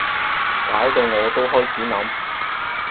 搞到我都開始諗